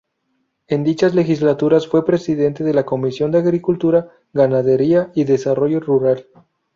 En dichas legislaturas fue presidente de la Comisión de Agricultura, Ganadería y Desarrollo Rural.